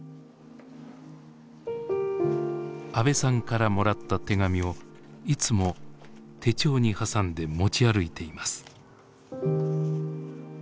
阿部さんからもらった手紙をいつも手帳に挟んで持ち歩いています。